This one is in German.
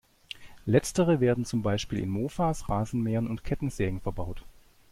Letztere werden zum Beispiel in Mofas, Rasenmähern und Kettensägen verbaut.